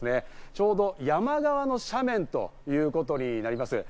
ちょうど山側の斜面ということになります。